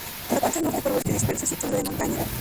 La parte norte por bosques dispersos y tundra de montaña.